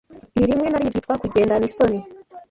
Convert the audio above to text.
Ibi rimwe na rimwe byitwa kugenda nisoni.